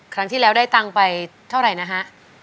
คราวที่แล้วได้ตังไปเท่าไรนะฮะ